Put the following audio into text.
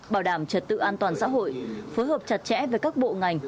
bảo đảm trật tự an toàn xã hội phối hợp chặt chẽ với các bộ ngành